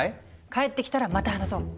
帰ってきたらまた話そう！